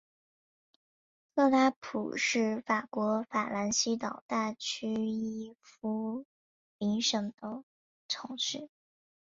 特拉普是法国法兰西岛大区伊夫林省的城市。